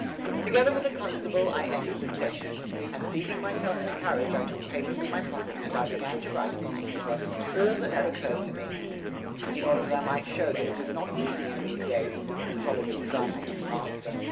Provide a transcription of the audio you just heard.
Together with the constable I entered the station, and seating myself in a carriage I took paper from my pocket and I began to write upon the paper all that had occurred to me, in order that I might show that it was not easy in these days to follow the example of the master.